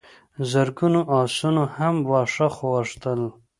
زرګونو آسونو هم واښه غوښتل.